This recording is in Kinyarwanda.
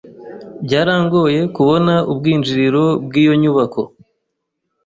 Byarangoye kubona ubwinjiriro bwiyo nyubako.